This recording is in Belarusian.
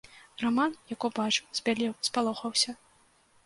Раман, як убачыў, збялеў, спалохаўся.